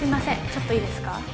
ちょっといいですか？